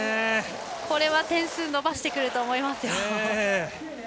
これは点数を伸ばしてくると思いますよ。